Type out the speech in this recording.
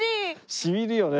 染みるよね。